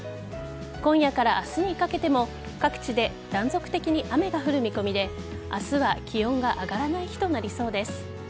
今夜から明日にかけても各地で断続的に雨が降る見込みで明日は気温が上がらない日となりそうです。